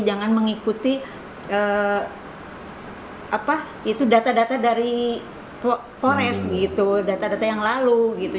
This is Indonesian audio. jangan mengikuti data data dari polres gitu data data yang lalu gitu